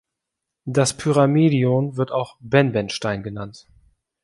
Das Pyramidion wird auch „Benben-Stein“ genannt.